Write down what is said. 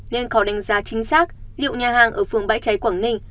nên khó đánh giá chính xác liệu nhà hàng ở phường bãi cháy quảng ninh